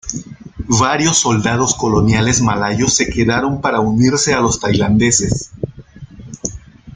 Varios soldados coloniales malayos se quedaron para unirse a los tailandeses.